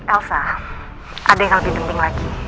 elsa ada yang lebih penting lagi